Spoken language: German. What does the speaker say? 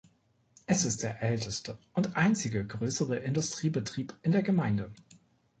Es ist der älteste und einzige grössere Industriebetrieb in der Gemeinde.